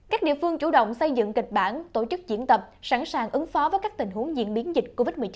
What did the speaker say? các địa phương chủ động xây dựng kịch bản tổ chức diễn tập sẵn sàng ứng phó với các tình huống diễn biến dịch covid một mươi chín